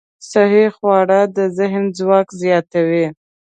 صحي خواړه د ذهن ځواک زیاتوي.